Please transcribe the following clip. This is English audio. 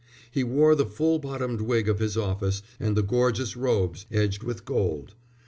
He wore the full bottomed wig of his office and the gorgeous robes, edged with gold.